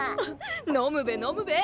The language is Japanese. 飲むべ飲むべ。